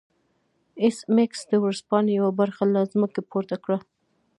ایس میکس د ورځپاڼې یوه برخه له ځمکې پورته کړه